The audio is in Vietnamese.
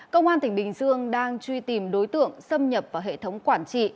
công an tỉnh bình dương đang truy tìm đối tượng xâm nhập vào hệ thống quản trị